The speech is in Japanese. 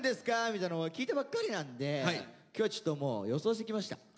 みたいなこと聞いてばっかりなんで今日はちょっともう予想してきました。